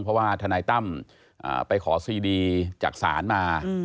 เพราะอาทตั้มไปขอสีดีจากสารมา